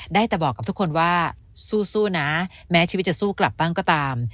ได้แต่บอกกับทุกคนว่าสู้นะแม้ชีวิตจะสู้กลับบ้างก็ตาม